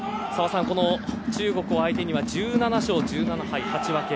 中国相手には１７勝１７敗８分け。